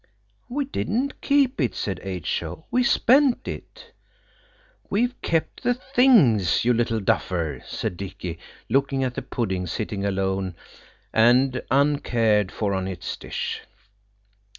"We didn't keep it," said H.O., "we spent it." "We've kept the things, you little duffer!" said Dicky, looking at the pudding sitting alone and uncared for on its dish.